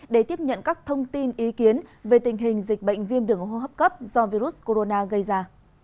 để tiếp nhận các thông tin ý kiến về tình hình dịch bệnh viêm đường hô hấp cấp do virus corona gây ra